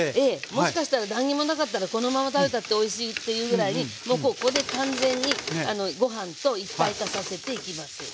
もしかしたら何にもなかったらこのまま食べたっておいしいっていうぐらいもうここで完全にご飯と一体化させていきます。